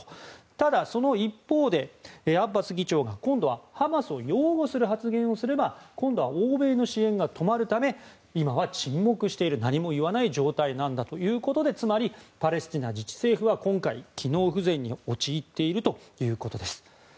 ただ、その一方でアッバス議長が今度はハマスを擁護する発言をすれば今度は欧米の支援が止まるため今は沈黙している何も言わない状態なんだということでつまり、パレスチナ自治政府は今回機能不全に陥っているということです。